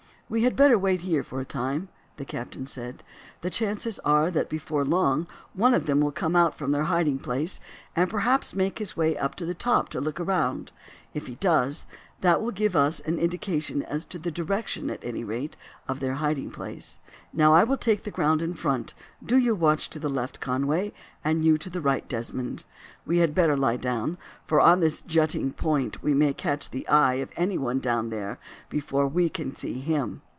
"We had better wait here for a time," the captain said. "The chances are that before long one of them will come out from their hiding place, and perhaps make his way up to the top to look round. If he does, that will give us an indication as to the direction at any rate of their hiding place. Now, I will take the ground in front; do you watch to the left, Conway, and you to the right, Desmond. We had better lie down, for on this jutting point we may catch the eye of anyone down there before we can see him.